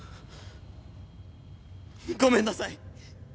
ごめんなさい！